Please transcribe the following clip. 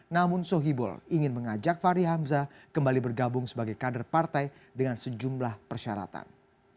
namun sohibo ingin mengajak fahri hamzah kembali bergabung sebagai kader partai dengan sejumlah persyaratan